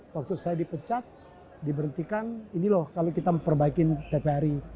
waktu saya dipecat diberhentikan ini loh kalau kita memperbaiki tpri